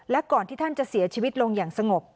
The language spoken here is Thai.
และก่อนที่ท่านจะเสียชีวิตลงอย่างสงบ